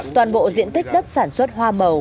toàn bộ diện tích đất sản xuất hoa màu